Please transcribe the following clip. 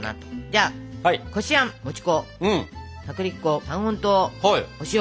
じゃあこしあんもち粉薄力粉三温糖お塩。